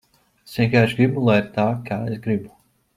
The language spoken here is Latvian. Es vienkārši gribu, lai ir tā, kā es gribu.